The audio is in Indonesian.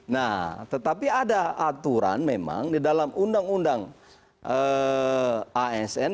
nah tetapi ada aturan memang di dalam undang undang asn